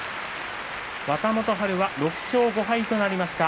若元春、６勝５敗となりました。